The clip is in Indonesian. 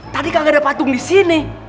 tadi kagak ada patung di sini